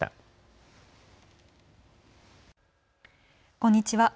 こんにちは。